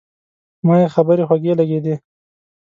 ما یې خبرې خوږې لګېدې.